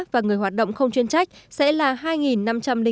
và người hoạt động không chuyên trách